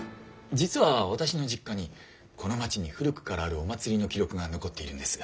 実は私の実家にこの町に古くからあるお祭りの記録が残っているんです。